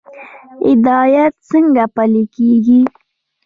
هدایت څنګه پلی کیږي؟